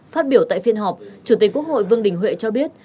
phát biểu tại phiên họp chủ tịch quốc hội vương đình huệ cho biết